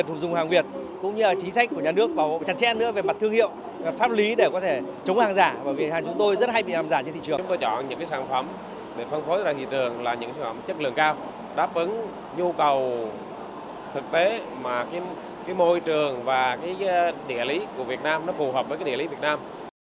những nhu cầu thực tế mà cái môi trường và cái địa lý của việt nam nó phù hợp với cái địa lý việt nam